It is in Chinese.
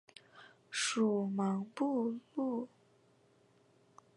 属茫部路。